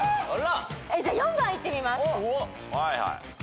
じゃあ４番いってみます。